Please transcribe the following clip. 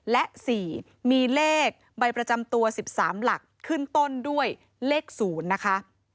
และ๔มีเลขใบประจำตัว๑๓หลักขึ้นต้นด้วยเลข๐นะคะ